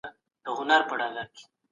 او په شوکت یم